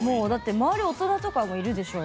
周り大人とかもいるでしょう？